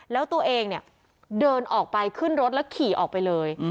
แล้วตัวเองเนี่ยเดินออกไปขึ้นรถแล้วขี่ออกไปเลย